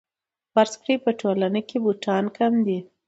فرض کړئ په ټولنه کې بوټان کم دي